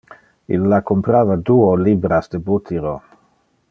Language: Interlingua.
Illa comprava duo libras de butyro.